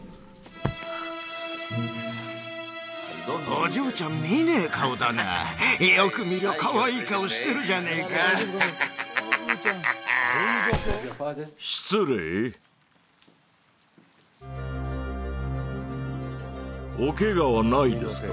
お嬢ちゃん見ねえ顔だなよく見りゃかわいい顔してるじゃねえかハハハハ失礼おケガはないですか？